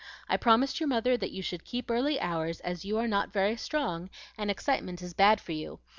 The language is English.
I promised your mother that you should keep early hours, as you are not very strong and excitement is bad for you.